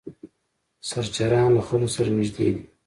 سرچران له خلکو سره نږدې دي.